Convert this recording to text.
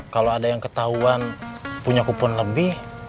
kalau ada yang ketahuan punya kupon lebih